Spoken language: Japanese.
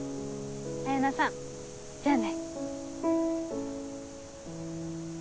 彩菜さんじゃあね。